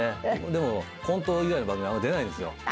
でもコント以外の番組あんま出ないんですよ。